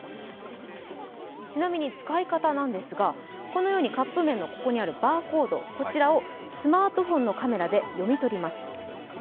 ちなみに使い方なんですがこのようにカップ麺のここにあるバーコードをスマートフォンのカメラで読み取ります。